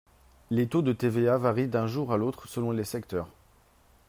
Les taux de TVA varient d’un jour à l’autre selon les secteurs.